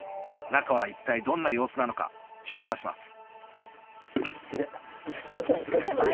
中は一体どんな様子なのか調査します